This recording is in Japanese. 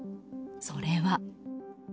それは。